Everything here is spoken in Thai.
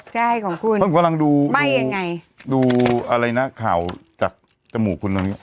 ใช่ของคุณเพิ่งกำลังดูไหม้ยังไงดูอะไรนะข่าวจากจมูกคุณนั่นเนี้ย